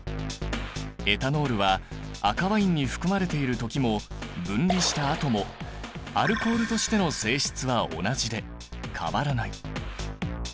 エタノールは赤ワインに含まれている時も分離したあともアルコールとしての性質は同じで変わらない。